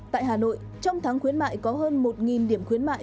tại hà nội trong tháng khuyến mại có hơn một điểm khuyến mại